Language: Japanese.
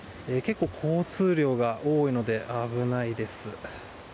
交通量が多いので危ないです。